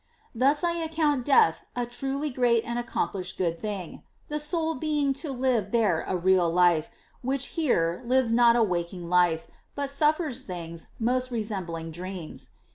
Thus I account death a truly great and accomplished good thing ; the soul being to live there a real life, which here lives not a waking life, but suffers things most resembling dreams.